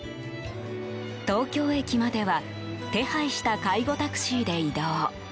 東京駅までは手配した介護タクシーで移動。